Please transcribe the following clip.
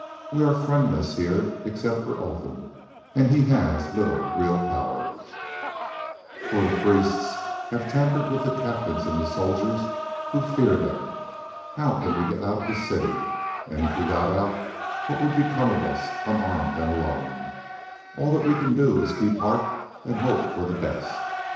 "We are friendless here except for Olfan, and he has little real power, for the priests have tampered with the captains and the soldiers who fear them. How can we get out of this city? And if we got out what would become of us, unarmed and alone? All that we can do is to keep heart and hope for the best.